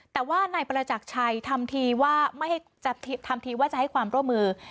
แต่ว่านายประจักรชัยทำทีว่าทำทีว่าจะให้ความร่วมมือ